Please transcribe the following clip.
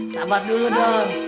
sabar dulu dong